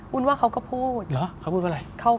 วันว่าเขาก็พูดเขาพูดว่าอะไร